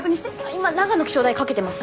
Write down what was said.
今長野気象台かけてます。